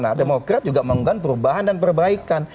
nah demokrat juga mengunggah perubahan dan perbaikan